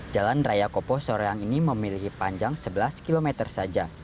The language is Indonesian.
jalan raya kopo soreang ini memiliki panjang sebelas km saja